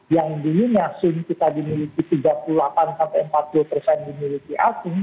yang di indonesia kita dimiliki tiga puluh delapan empat puluh dimiliki asing